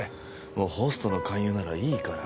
もうホストの勧誘ならいいから。